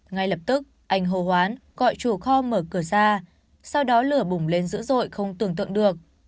ngay lập tức anh hồ hoán gọi chủ kho mở cửa ra sau đó lửa bùng lên dữ dội không tưởng tượng được